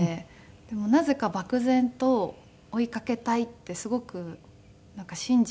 でもなぜか漠然と追いかけたいってすごく信じていた。